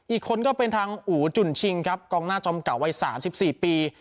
อีกคนก็เป็นทางอู๋จุ่นชิงครับกองหน้าจอมเก่าวัย๓๔ปี